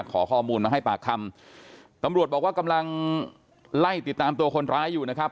ขอข้อมูลมาให้ปากคำตำรวจบอกว่ากำลังไล่ติดตามตัวคนร้ายอยู่นะครับ